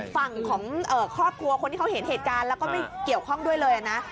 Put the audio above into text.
ฝั่งของครอบครัวคนที่เขาเห็นเหตุการณ์แล้วก็ไม่เกี่ยวข้องด้วยเลยนะ